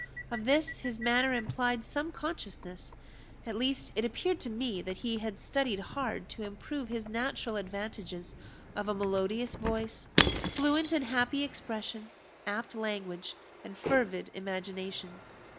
Of this his manner implied some consciousness; at least, it appeared to me that he had studied hard to improve his natural advantages of a melodious voice, fluent and happy expression, apt language, and fervid imagination.